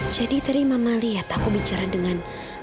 jadi tadi mama lihat aku bicara dengan